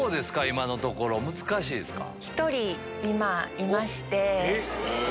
今のところ難しいですか？